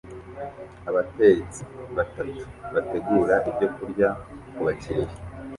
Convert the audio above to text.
Abatetsi batatu bategura ibyokurya kubakiriya